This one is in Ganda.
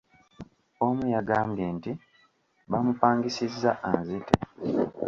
Omu yangambye nti bamupangisizza anzite.